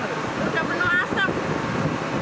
penuh asap semua ya